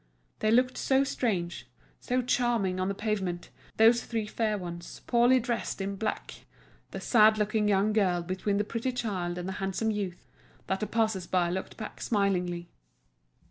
They looked so strange, so charming, on the pavement, those three fair ones, poorly dressed in black—the sad looking young girl between the pretty child and the handsome youth—that the passers by looked back smilingly.